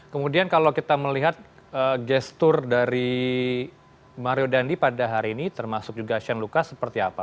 kemudian kalau kita melihat gestur dari mario dandi pada hari ini termasuk juga shane lucas seperti apa